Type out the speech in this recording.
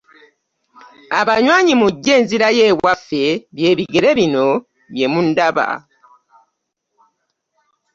.Abanyanyi mujje nzirayo ewaffe by'ebigere binno byemundaba.